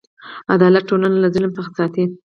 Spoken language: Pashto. عدالت ټولنه له ظلم څخه ساتي.